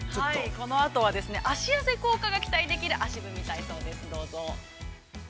◆このあとは、足痩せ効果が期待できる足踏み体操です、どうぞ。